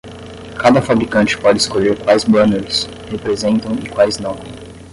Cada fabricante pode escolher quais banners representam e quais não.